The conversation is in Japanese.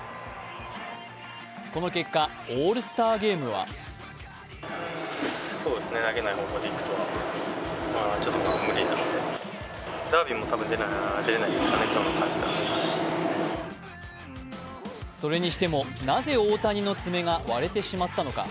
この結果、オールスターゲームはそれにしてもなぜ大谷の爪が割れてしまったのか。